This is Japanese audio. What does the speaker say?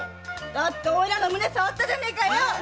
だっておいらの胸触ったじゃねえかよ！